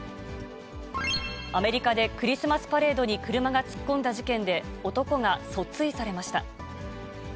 アメリカでクリスマスパレードに車が突っ込んだ事件で、男が訴追されました。